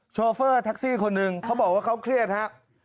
โฟเฟอร์แท็กซี่คนหนึ่งเขาบอกว่าเขาเครียดฮะ